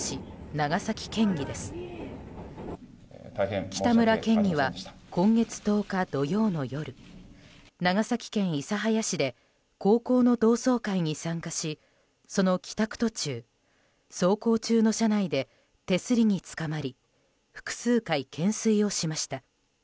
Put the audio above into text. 北村県議は今月１０日土曜の夜長崎県諫早市で高校の同窓会に参加しその帰宅途中、走行中の車内で手すりにつかまり複数回、懸垂をしました。